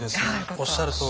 おっしゃるとおり。